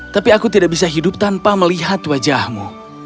tapi aku tidak bisa hidup tanpa melihat wajahmu